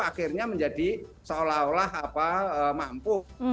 akhirnya menjadi seolah olah mampu